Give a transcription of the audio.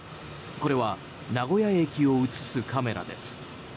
これは名古屋駅を映すカメラです。